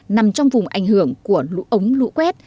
nằm trong vùng ảnh hưởng của lũ ống lũ quét